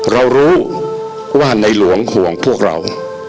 เรารู้ว่าในหลวงห่วงพวกเรา